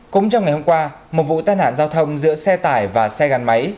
cũng trong ngày hôm qua một vụ tai nạn giao thông giữa xe tải và xe gắn máy